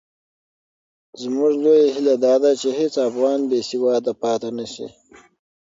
زموږ لویه هیله دا ده چې هېڅ افغان بې سواده پاتې نه سي.